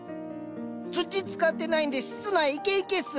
土使ってないんで室内イケイケっす。